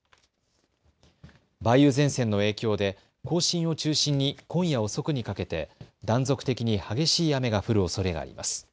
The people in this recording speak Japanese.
梅雨前線の影響で甲信を中心に今夜遅くにかけて断続的に激しい雨が降るおそれがあります。